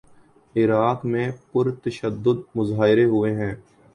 عراق میں پر تشدد مظاہرے ہوئے ہیں۔